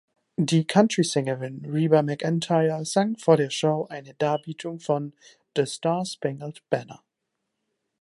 Die Country-Sängerin Reba McEntire sang vor der Show eine Darbietung von "The Star-Spangled Banner".